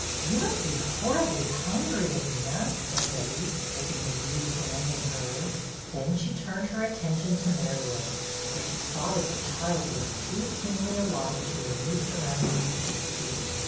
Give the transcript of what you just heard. " You must be horribly hungry, Edwyna," said Betty, holding the wee hand in hers; then she turned her attention to Merrylegs, for she saw that the child was too keenly alive to her new surroundings to speak.